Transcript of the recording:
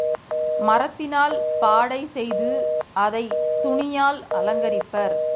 மரத்தினால் பாடைசெய்து, அதைத் துணியால் அலங்கரிப்பர்.